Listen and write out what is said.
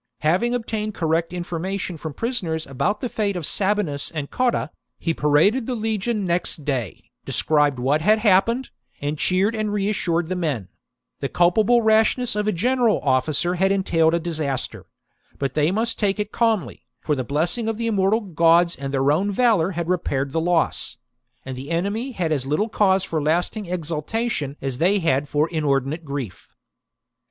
Having obtained correct information from prisoners about the fate of Sabinus and Cotta, he paraded the legion next day, described what had happened, and cheered and reassured the men :— the culpable rashness of a general officer had entailed a disaster ; but they must take it calmly, for the blessing of thejmmortal gods and their own valour had repaired the loss; and the enemy had as little cause for lasting exulta tion as they for inordinate grief.